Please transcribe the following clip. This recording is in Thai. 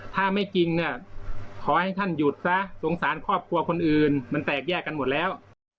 ถ้าไม่จริงเนี่ยขอให้ท่านหยุดซะสงสารครอบครัวคนอื่นมันแตกแยกกันหมดแล้ว